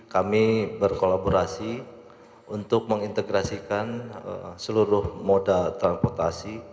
kami berkolaborasi untuk mengintegrasikan seluruh moda transportasi